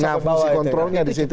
nah fungsi kontrolnya di situ